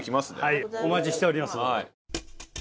はいお待ちしております。